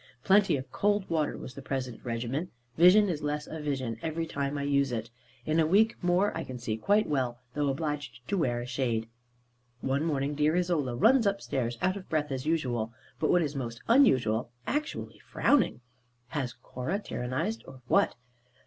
Plenty of cold water was the present regimen. Vision is less a vision, every time I use it. In a week more, I can see quite well, though obliged to wear a shade. One morning, dear Isola runs upstairs, out of breath as usual; but, what is most unusual, actually frowning. Has Cora tyrannised, or what?